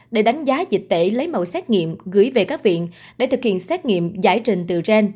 để đánh giá dịch tễ lấy mẫu xét nghiệm gửi về các viện để thực hiện xét nghiệm giải trình từ gen